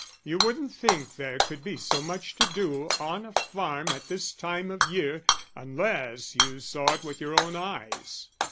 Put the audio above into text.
You wouldn't think there could be so much to do on a farm at this time of year, unless you saw it with your own eyes.